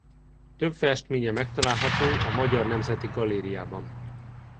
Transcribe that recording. Több festménye megtalálható a Magyar Nemzeti Galériában.